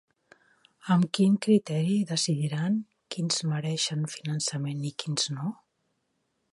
Amb quin criteri decidiran quins mereixen finançament i quins no?